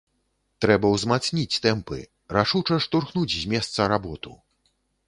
Трэба ўзмацніць тэмпы, рашуча штурхнуць з месца работу.